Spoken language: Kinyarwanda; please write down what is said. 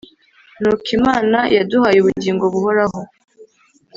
ni uko Imana yaduhaye ubugingo buhoraho,